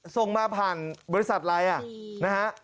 ส่งมาผ่านบริษัทอะไรนะฮะ